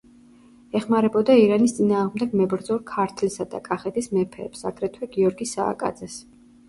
ეხმარებოდა ირანის წინააღმდეგ მებრძოლ ქართლისა და კახეთის მეფეებს, აგრეთვე გიორგი სააკაძეს.